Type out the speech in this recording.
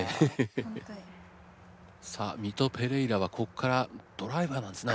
さあミト・ペレイラはこっからドライバーなんですね